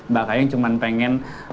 mbak kayang cuma pengen